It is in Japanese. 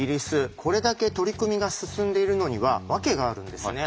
これだけ取り組みが進んでいるのには訳があるんですね。